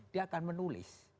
dia akan menulis